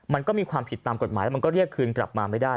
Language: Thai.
มันก็มีความผิดตามกฎหมายแล้วมันก็เรียกคืนกลับมาไม่ได้